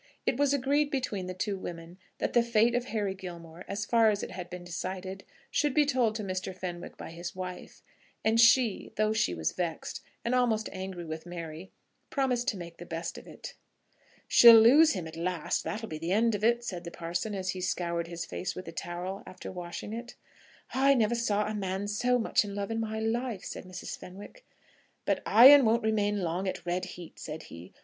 It was agreed between the two women that the fate of Harry Gilmore, as far as it had been decided, should be told to Mr. Fenwick by his wife; and she, though she was vexed, and almost angry with Mary, promised to make the best of it. "She'll lose him at last; that'll be the end of it," said the parson, as he scoured his face with a towel after washing it. "I never saw a man so much in love in my life," said Mrs. Fenwick. "But iron won't remain long at red heat," said he.